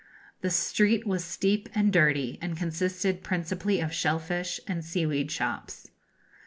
The street was steep and dirty, and consisted principally of shell fish and seaweed shops.